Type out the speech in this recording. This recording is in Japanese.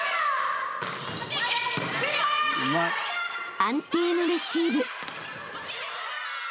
［安定のレシーブ］